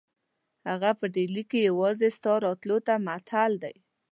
هغه په ډهلي کې یوازې ستا راتلو ته معطل دی.